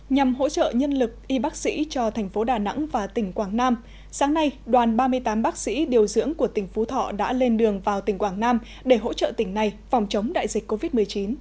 nhằm hỗ trợ nhân lực y bác sĩ cho thành phố đà nẵng và tỉnh quảng nam sáng nay đoàn ba mươi tám bác sĩ điều dưỡng của tỉnh phú thọ đã lên đường vào tỉnh quảng nam để hỗ trợ tỉnh này phòng chống đại dịch covid một mươi chín